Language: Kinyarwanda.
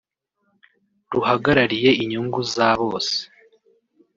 ruhagarariye inyungu za bose